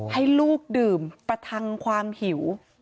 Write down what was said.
ให้ลูกดื่มประทังความหิว